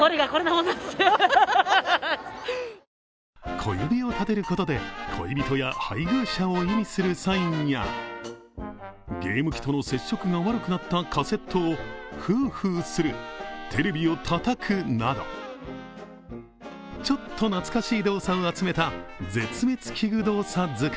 小指を立てることで恋人や配偶者を示すサインやゲーム機の接触が悪くなったカセットをフーフーする、テレビをたたくなどちょっと懐かしい動作を集めた「絶滅危惧動作図鑑」。